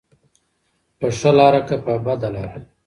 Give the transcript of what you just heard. په ښه لاره که بده لاره.